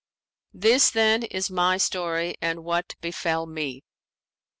This, then, is my story and what befell me."